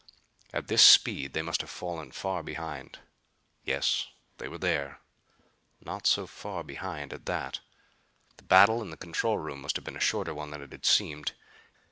At this speed they must have fallen far behind. Yes, there they were. Not so far behind at that. The battle in the control room must have been a shorter one than it had seemed.